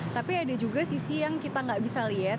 tapi ada juga sisi yang kita nggak bisa lihat